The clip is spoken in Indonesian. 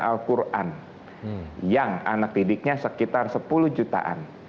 al quran yang anak didiknya sekitar sepuluh jutaan